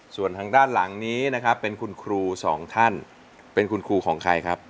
ส่วนทางด้านหลังนี้นะครับเป็นคุณครูสองท่านเป็นคุณครูของใครครับ